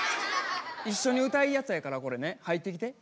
一緒に歌うやつやからこれね入ってきて。